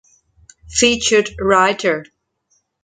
Featured writer.